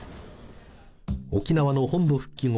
沖縄の本土復帰後